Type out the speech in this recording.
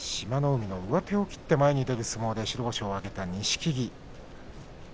海の上手を切って前に出る相撲で白星を挙げた錦木。